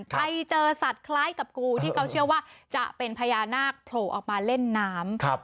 ไปเจอสัตว์คล้ายกับกูที่เขาเชื่อว่าจะเป็นพญานาคโผล่ออกมาเล่นน้ำ